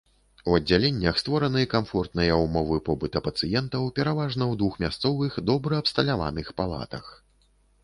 У аддзяленнях створаны камфортныя ўмовы побыта пацыентаў, пераважна ў двухмясцовых добра абсталяваных палатах.